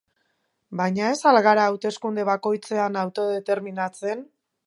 Baina ez al gara hauteskunde bakoitzean autodeterminatzen?